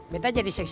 kita jadi sekretaris